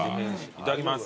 いただきます。